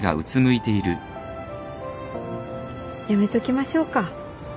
やめときましょうか。